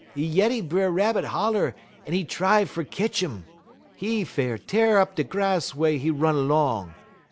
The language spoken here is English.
'E yeddy B'er Rabbit holler, en 'e try fer ketch um. 'E feer teer up da grass wey 'e run 'long.